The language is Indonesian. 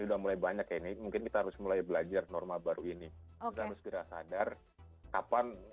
sudah mulai banyak ini mungkin kita harus mulai belajar norma baru ini kita harus tidak sadar kapan